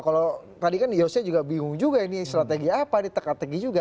kalau tadi kan yose juga bingung juga ini strategi apa nih teka teki juga